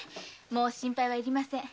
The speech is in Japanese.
もう心配要りません。